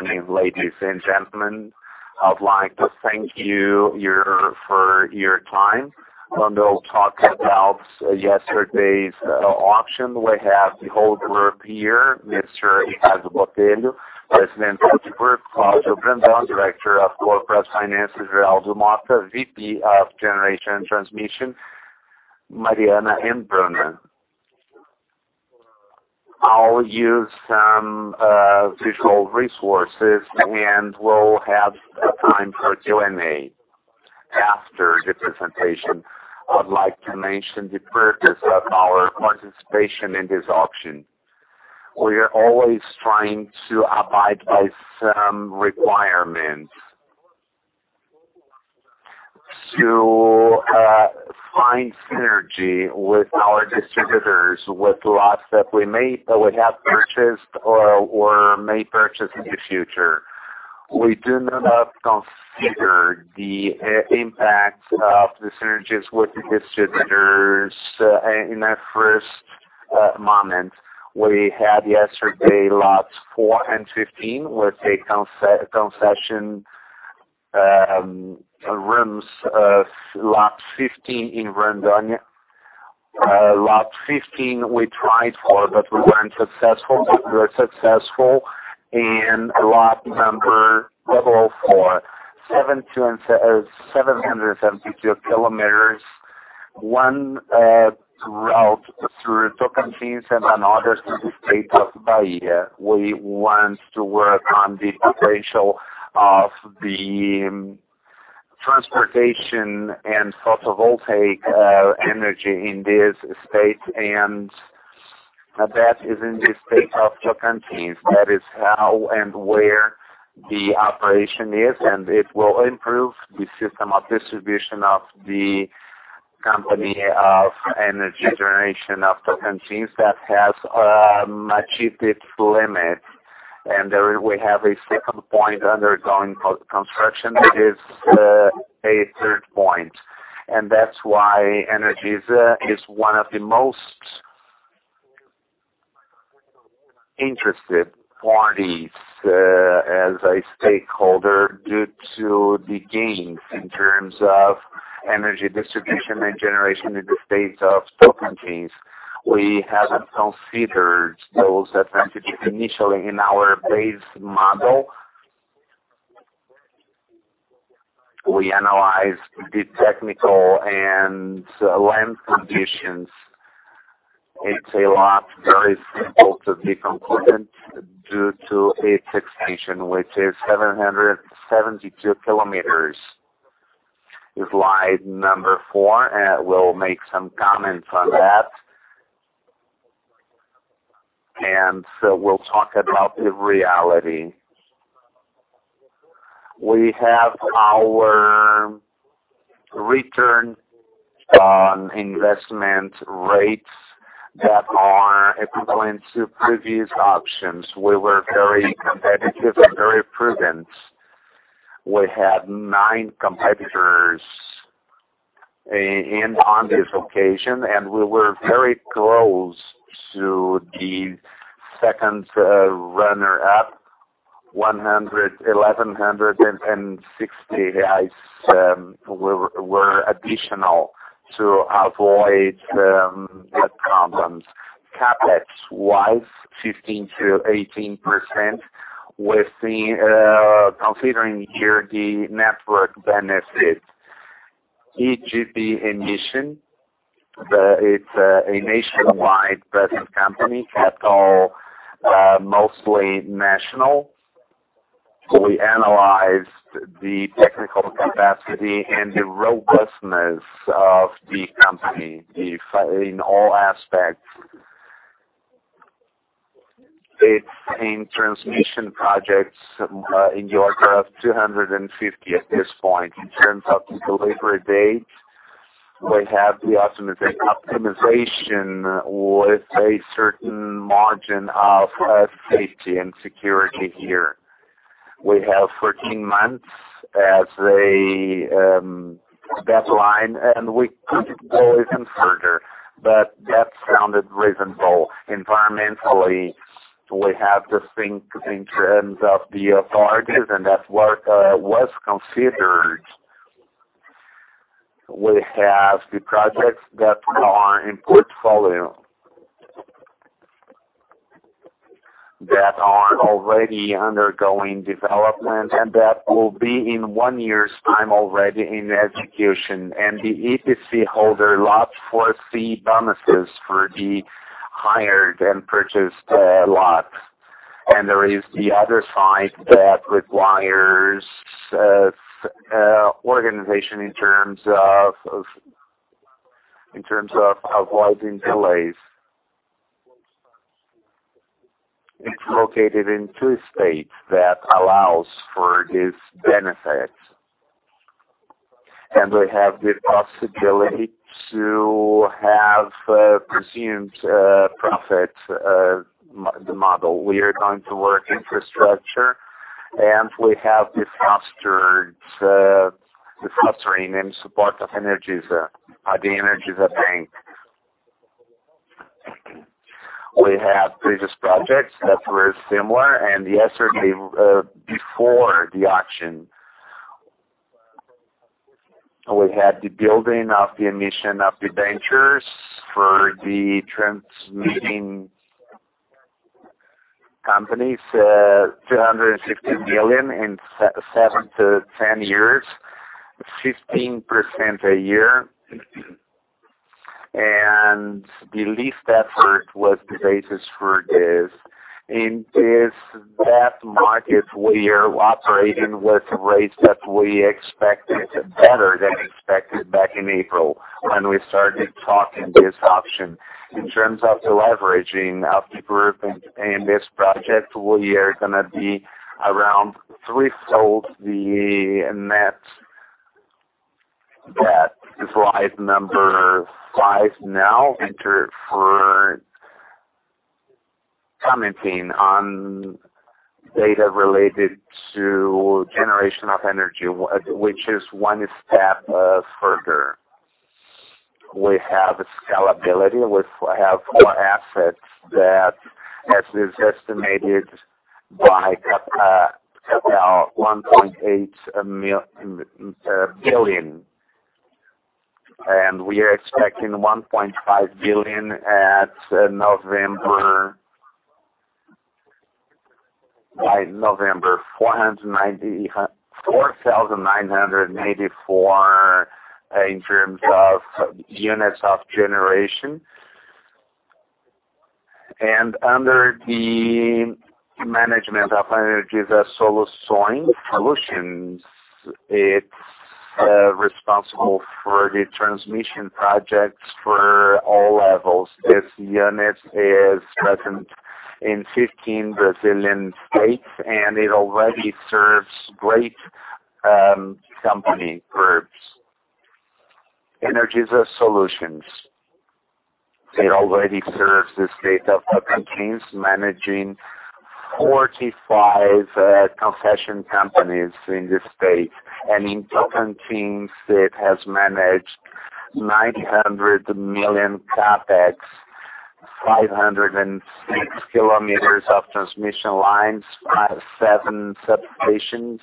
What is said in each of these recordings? Good morning, ladies and gentlemen. I would like to thank you for your time. We'll talk about yesterday's auction. We have the whole group here, Mr. Ricardo Botelho, President; Cláudio Brandão, Director of Corporate Finance; Geraldo Mota, VP of Generation and Transmission, Mariana and Bruno. I'll use some visual resources, and we'll have the time for Q&A after the presentation. I would like to mention the purpose of our participation in this auction. We are always trying to abide by some requirements to find synergy with our distributors, with lots that we have purchased or may purchase in the future. We do not consider the impact of the synergies with the distributors in that first moment. We had yesterday, lots four and 15, with a concession, lot 15 in Rondônia. Lot 15 we tried for, we weren't successful. We're successful in lot number four, 772 km, one route through Tocantins and another through the state of Bahia. We want to work on the potential of the transportation and photovoltaic energy in this state, and that is in the state of Tocantins. That is how and where the operation is, and it will improve the system of distribution of the company of energy generation of Tocantins that has achieved its limit. There we have a second point undergoing construction. It is a third point, and that's why Energisa is one of the most interested parties as a stakeholder due to the gains in terms of energy distribution and generation in the state of Tocantins. We haven't considered those effectively initially in our base model. We analyzed the technical and land conditions. It's a lot, very simple to develop due to its extension, which is 772 km. Slide number four, and we'll make some comments on that, and we'll talk about the reality. We have our return on investment rates that are equivalent to previous auctions. We were very competitive and very prudent. We had nine competitors in on this occasion, and we were very close to the second runner-up, 1,160 were additional to avoid that problem. CapEx was 15%-18%, considering here the network benefits. EGP emission, it's a nationwide present company, capital, mostly national. We analyzed the technical capacity and the robustness of the company in all aspects. It's in transmission projects in order of 250 at this point. In terms of the delivery date, we have the optimization with a certain margin of safety and security here. We have 14 months as a deadline, and we could go even further. That sounded reasonable. Environmentally, we have to think in terms of the authorities, and that work was considered. We have the projects that are in portfolio, that are already undergoing development, and that will be in one year's time already in execution. The EPC holder lot foresee bonuses for the hired and purchased lots. There is the other side that requires organization in terms of avoiding delays. It's located in two states that allows for this benefit, and we have the possibility to have presumed profit, the model. We are going to work infrastructure, and we have the clustering in support of Energisa, the Energisa bank. We have previous projects that were similar, and yesterday, before the auction, we had the building of the emission of debentures for the transmitting companies, 250 million in seven to 10 years, 15% a year. The least effort was the basis for this. In this debt market, we are operating with rates that we expected better than expected back in April, when we started talking this option. In terms of the leveraging of the group in this project, we are going to be around three-folds the net debt. Slide number five now entered for commenting on data related to generation of energy, which is one step further. We have scalability. We have more assets that, as is estimated by Capital, 1.8 billion, and we are expecting 1.5 billion by November. 4,984 in terms of units of generation. Under the management of Energisa Soluções, it is responsible for the transmission projects for all levels. This unit is present in 15 Brazilian states, and it already serves great company groups. Energisa Soluções. It already serves the state of Tocantins, managing 45 concession companies in the state, and in Tocantins, it has managed BRL 900 million CapEx, 506 kilometers of transmission lines, seven substations.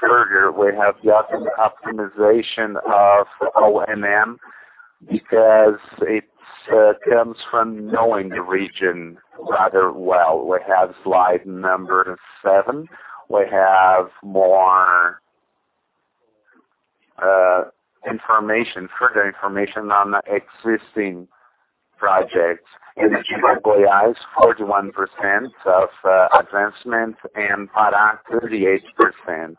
Further, we have the optimization of O&M, because it comes from knowing the region rather well. We have slide number seven. We have more information, further information on the existing projects. Energisa Goiás, 41% of advancement, and Pará, 38%.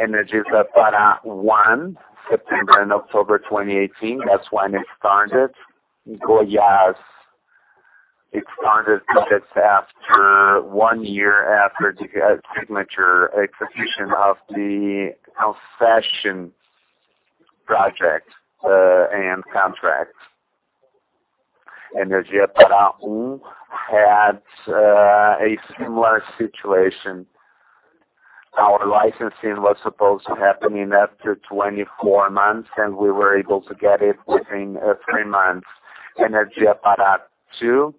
Energisa Pará I, September and October 2018, that is when it started. Goiás. It started just after one year after the signature execution of the concession project and contract. Energisa Pará I had a similar situation. Our licensing was supposed to happen in up to 24 months, and we were able to get it within three months. Energisa Pará II,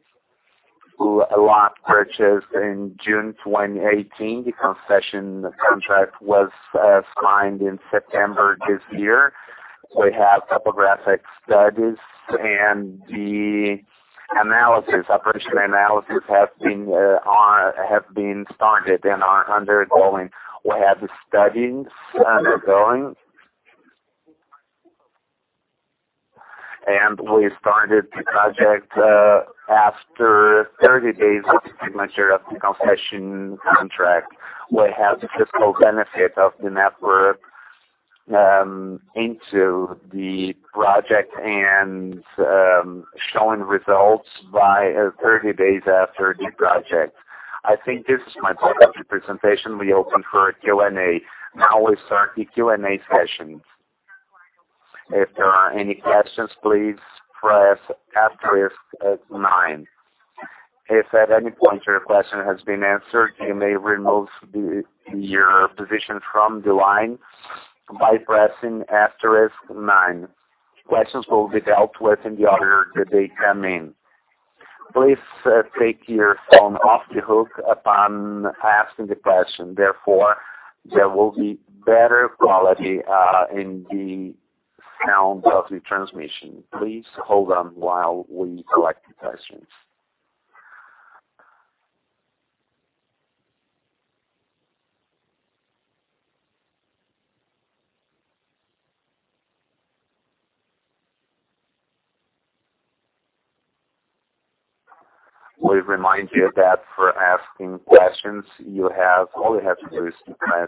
lot purchased in June 2018. The concession contract was signed in September this year. We have topographic studies and the operation analysis have been started and are undergoing. We have the studies undergoing. We started the project after 30 days of the signature of the concession contract. We have the fiscal benefit of the network into the project and showing results by 30 days after the project. I think this is my part of the presentation. We open for Q&A. Now we start the Q&A session. If there are any questions, please press asterisk nine. If at any point your question has been answered, you may remove your position from the line by pressing asterisk nine. Questions will be dealt with in the order that they come in. Please take your phone off the hook upon asking the question. Therefore, there will be better quality in the sound of the transmission. Please hold on while we collect the questions. We remind you that for asking questions, all you have to do is to press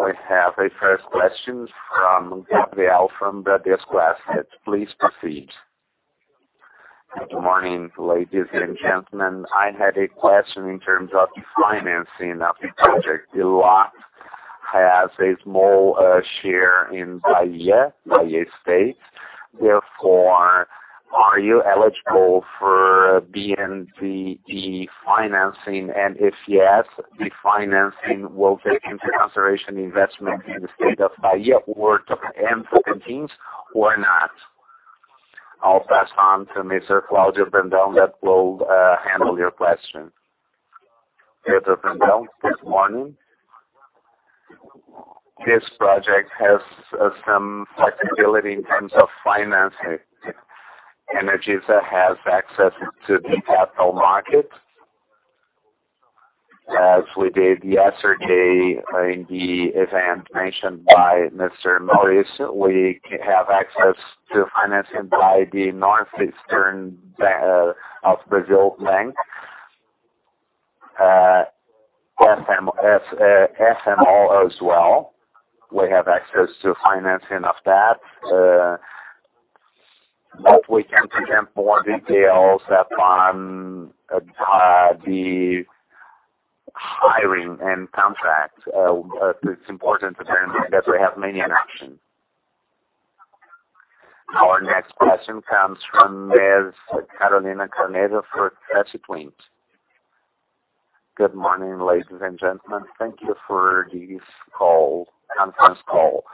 asterisk nine. We have a first question from Gabriel from Bradesco Asset. Please proceed. Good morning, ladies and gentlemen. I had a question in terms of financing of the project. The lot has a small share in Bahia State. Therefore, are you eligible for BNDES financing? If yes, the financing will take into consideration investment in the state of Bahia or not? I will pass on to Mr. Cláudio Brandão that will handle your question. Claudio Brandão. Good morning. This project has some flexibility in terms of financing. Energisa has access to the capital market. As we did yesterday in the event mentioned by Mr. Maurício, we have access to financing by the Northeastern of Brazil Bank, SMO as well. We have access to financing of that, we can present more details upon the hiring and contract. It's important to bear in mind that we have many options. Our next question comes from Ms. Carolina Carneiro for Credit Suisse. Good morning, ladies and gentlemen. Thank you for this conference call.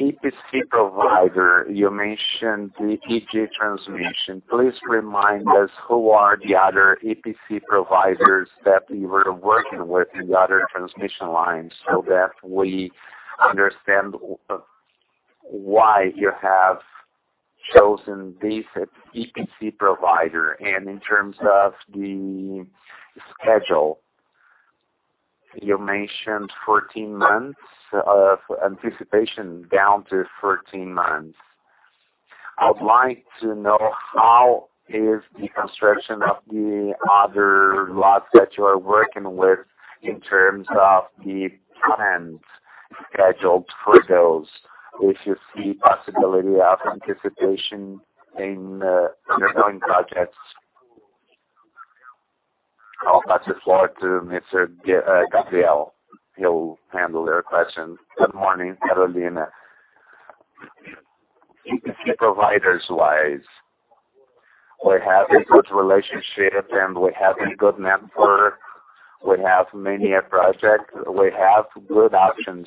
EPC provider, you mentioned the Energisa Transmissão. Please remind us who are the other EPC providers that you were working with in the other transmission lines so that we understand why you have chosen this EPC provider. In terms of the schedule, you mentioned 14 months of anticipation down to 13 months. I would like to know how is the construction of the other lots that you are working with in terms of the plans scheduled for those. If you see possibility of anticipation in the ongoing projects. I'll pass the floor to Mr. Gabriel. He'll handle your question. Good morning, Carolina. EPC providers-wise, we have a good relationship, and we have a good network. We have many projects. We have good options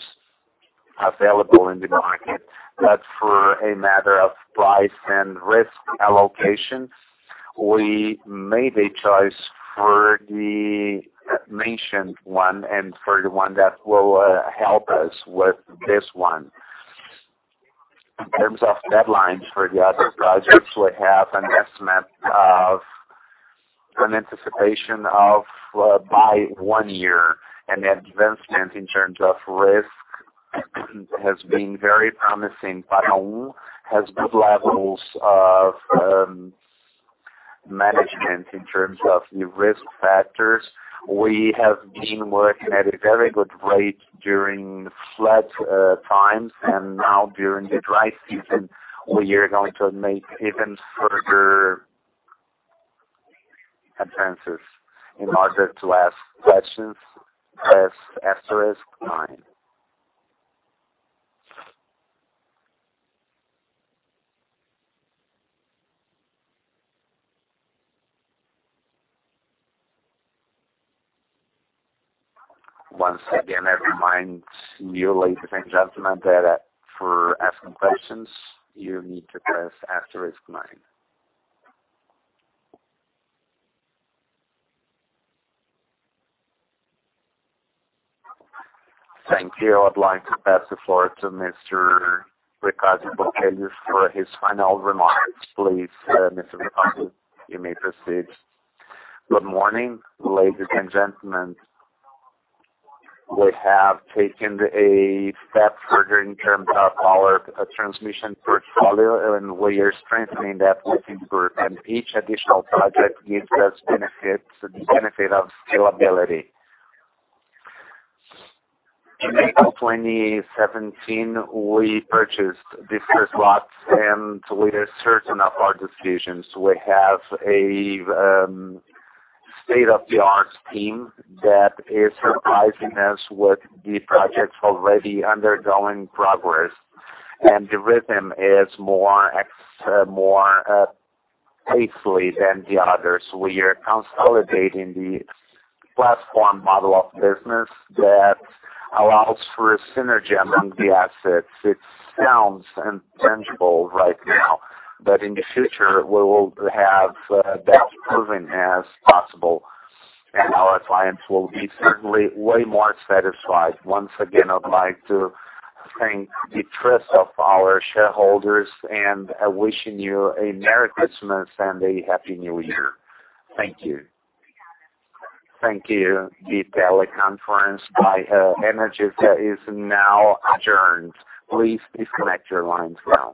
available in the market, but for a matter of price and risk allocation, we made a choice for the mentioned one and for the one that will help us with this one. In terms of deadlines for the other projects, we have an estimate of an anticipation of by one year, and the advancement in terms of risk has been very promising. Pará has good levels of management in terms of the risk factors. We have been working at a very good rate during flat times, and now during the dry season, we are going to make even further advances. In order to ask questions, press asterisk nine. Once again, I remind you, ladies and gentlemen, that for asking questions, you need to press asterisk nine. Thank you. I'd like to pass the floor to Mr. Ricardo Botelho for his final remarks, please. Mr. Ricardo, you may proceed. Good morning, ladies and gentlemen. We have taken a step further in terms of our transmission portfolio, we are strengthening that with each group, each additional project gives us the benefit of scalability. In April 2017, we purchased these two lots, we are certain of our decisions. We have a state-of-the-art team that is surprising us with the projects already undergoing progress, the rhythm is more paced than the others. We are consolidating the platform model of business that allows for a synergy among the assets. It sounds intangible right now, in the future, we will have that proven as possible, our clients will be certainly way more satisfied. Once again, I'd like to thank the trust of our shareholders, wishing you a merry Christmas and a happy New Year. Thank you. Thank you. The teleconference by Energisa is now adjourned. Please disconnect your lines now.